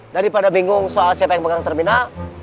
daripada bingung soal siapa yang pegang terminal